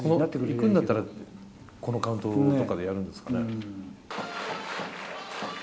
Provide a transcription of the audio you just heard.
いくんだったら、このカウントとかでやるんですかね。